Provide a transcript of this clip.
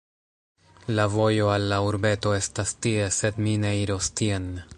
La vojo al la urbeto estas tie sed mi ne iros tien